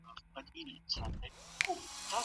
احمدشاه بابا په جګړه کې ډېر بریالی و.